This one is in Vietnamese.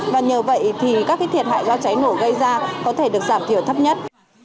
và nhờ vậy thì các thiệt hại do cháy nổ gây ra có thể được giảm thiểu thấp nhất